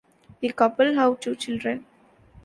The couple have two children.